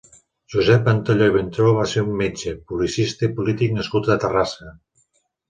Josep Ventalló i Vintró va ser un metge, publicista i polític nascut a Terrassa.